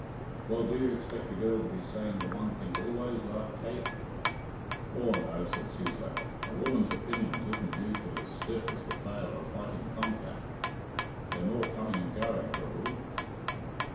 "Well, do you expect a girl to be saying the one thing always?" laughed Kate. "Aw, no," said Cæsar. "A woman's opinions isn't usually as stiff as the tail of a fighting Tom cat. They're more coming and going, of a rule."